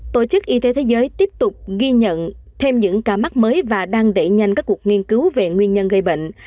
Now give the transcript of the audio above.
tổ chức y tế thế giới tiếp tục ghi nhận thêm những ca mắc mới và đang đẩy nhanh các cuộc nghiên cứu về nguyên nhân gây bệnh